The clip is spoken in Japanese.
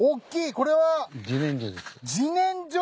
これは。